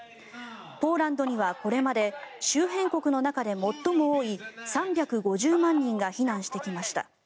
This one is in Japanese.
ポーランドにはこれまで周辺国の中で最も多い３５０万人が避難してきました。